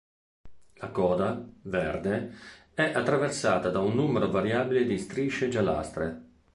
La coda, verde, è attraversata da un numero variabile di strisce giallastre.